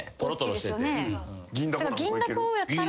銀だこやったら。